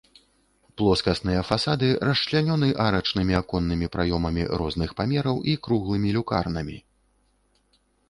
Плоскасныя фасады расчлянёны арачнымі аконнымі праёмамі розных памераў і круглымі люкарнамі.